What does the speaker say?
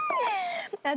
私